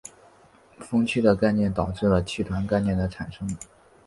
锋区的概念导致了气团概念的产生。